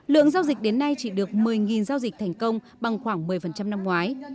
lượng giao dịch đến nay chỉ được một mươi giao dịch thành công bằng khoảng một mươi năm ngoái